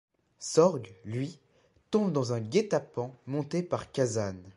Sorg, lui, tombe dans un guet-apens monté par Kazan.